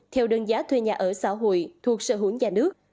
theo đơn giá thuê nhà ở xã hội thuộc sở hữu nhà nước